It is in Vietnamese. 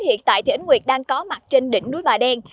hiện tại thì anh nguyệt đang có mặt trên đỉnh núi bà đen